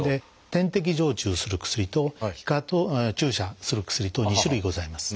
点滴静注する薬と皮下注射する薬と２種類ございます。